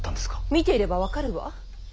見ていれば分かるわ。